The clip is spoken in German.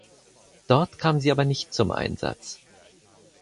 Dort kam sie aber nicht zum Einsatz.